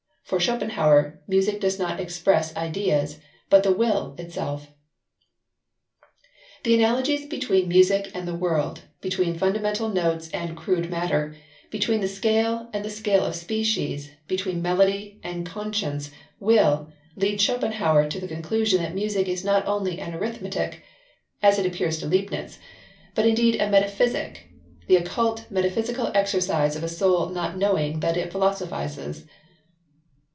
For Schopenhauer, music does not express ideas, but the Will itself. The analogies between music and the world, between fundamental notes and crude matter, between the scale and the scale of species, between melody and conscious will, lead Schopenhauer to the conclusion that music is not only an arithmetic, as it appeared to Leibnitz, but indeed a metaphysic: "the occult metaphysical exercise of a soul not knowing that it philosophizes."